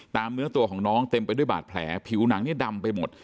เนื้อตัวของน้องเต็มไปด้วยบาดแผลผิวหนังเนี่ยดำไปหมด